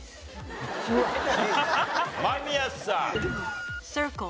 間宮さん。